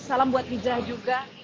salam buat hijrah juga